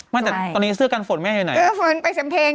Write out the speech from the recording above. ไม่แต่ตอนนี้เสื้อกันฝนแม่ไหนเออฝนไปเซ็มเพ็ง